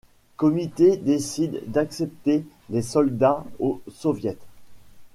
Comité décident d'accepter les soldats au soviet.